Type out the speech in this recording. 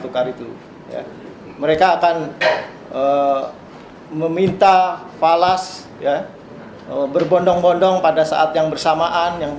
tukar itu ya mereka akan meminta falas ya berbondong bondong pada saat yang bersamaan yang